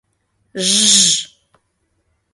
Жж-ж...